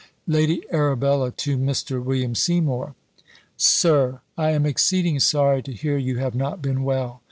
"LADY ARABELLA TO MR. WILLIAM SEYMOUR. "SIR, "I am exceeding sorry to hear you have not been well.